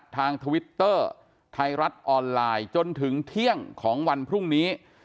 ทวิตเตอร์ไทยรัฐออนไลน์จนถึงเที่ยงของวันพรุ่งนี้